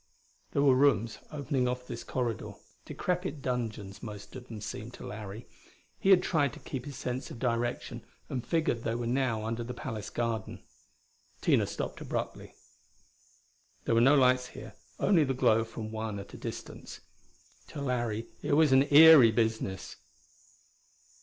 There were rooms opening off this corridor decrepit dungeons, most of them seemed to Larry. He had tried to keep his sense of direction, and figured they were now under the palace garden. Tina stopped abruptly. There were no lights here, only the glow from one at a distance. To Larry it was an eery business.